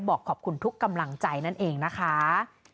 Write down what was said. บอกขอบคุณทุกกำลังใจนั่นเองนะคะ